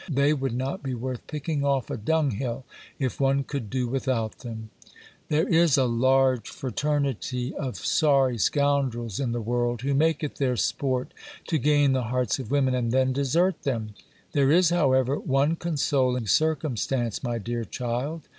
They would not be worth picking off a dunghill, if one could do without them ! There is a large fraternity of sorry scoundrels in the world, who make it their sport to gain the hearts of women, and then desert them. There is, however, one consoling circumstance, my dear child.